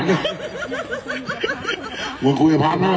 มึงคุยกับภาคมาก